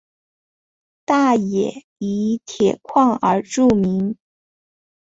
大冶以铁矿而著名。